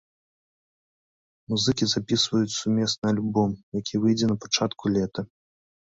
Музыкі запісваюць сумесны альбом, які выйдзе на пачатку лета.